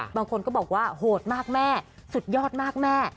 บางคนก็บอกว่าโหดมากแม่สุดยอดมากแม่